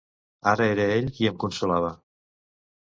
Ara era ell qui em consolava.